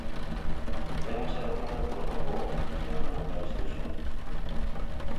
Δεν ήξερα τι να του πρωτοπώ για να τον ευχαριστήσω